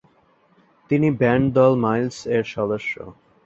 তিনি ব্যান্ড দল মাইলস এর সদস্য।